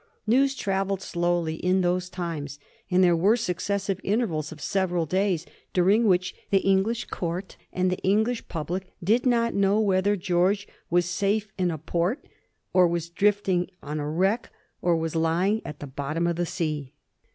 News travelled slowly in those times, and there were successive intervals of several days, during which the English Court and the English public did not know whether George was safe in a port, or was drifting on a wreck, or was lying at the bottom of the sea.